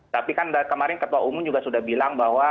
tapi kan kemarin ketua umum juga sudah bilang bahwa